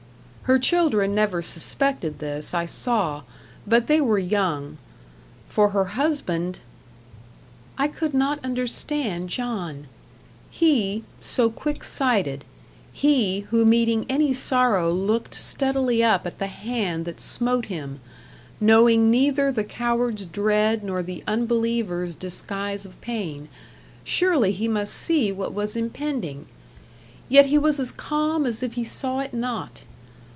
Her children never suspected this, I saw; but they were young. For her husband I could not understand John. He, so quick sighted; he who meeting any sorrow looked steadily up at the Hand that smote him, knowing neither the coward's dread nor the unbeliever's disguise of pain surely he must see what was impending. Yet he was as calm as if he saw it not.